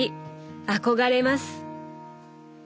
憧れます。